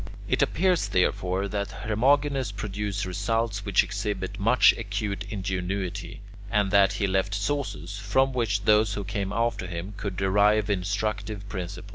It appears, therefore, that Hermogenes produced results which exhibit much acute ingenuity, and that he left sources from which those who came after him could derive instructive principles.